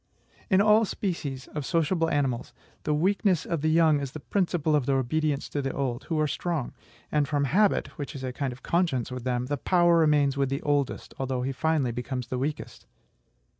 In all species of sociable animals, "the weakness of the young is the principle of their obedience to the old," who are strong; and from habit, which is a kind of conscience with them, the power remains with the oldest, although he finally becomes the weakest.